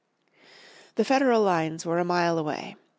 The Federal lines were a mile away.